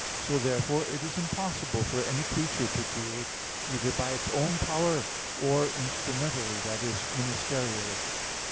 So therefore it is impossible for any creature to create, either by its own power or instrumentally that is, ministerially.